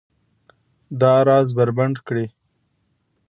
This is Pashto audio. دا راز بربنډ کړي